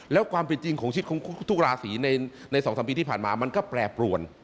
แล้วความเป็นจริงของชีวิตของทุกราศีใน๒๓ปีที่ผ่านมามันก็แปรปรวน